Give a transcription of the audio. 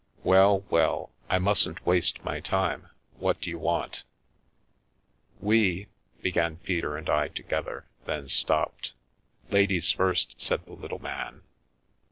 " Well, well, I mustn't waste my time. What do you want ?"" We " began Peter and I together, then stopped. " Ladies first," said the little man.